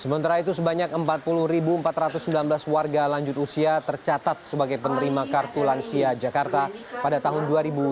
sementara itu sebanyak empat puluh empat ratus sembilan belas warga lanjut usia tercatat sebagai penerima kartu lansia jakarta pada tahun dua ribu dua puluh